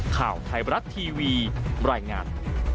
ข่าวไทยบรัฐทีวีบรรยายงาน